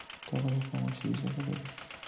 قبر د خاموشۍ ژبه لري.